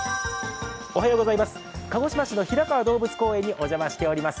鹿児島市の平川動物公園にお邪魔しております。